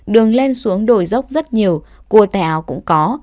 đường lên xuống đổi dốc rất nhiều cùa tèo cũng có